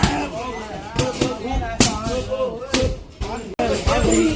คุณพ่อมีลูกทั้งหมด๑๐ปี